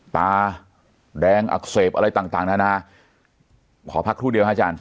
ตาแดงอักเสบอะไรต่างต่างนานาขอพักครู่เดียวฮะอาจารย